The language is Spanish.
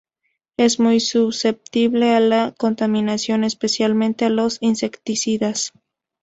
Es muy susceptible a la contaminación, especialmente a los insecticidas.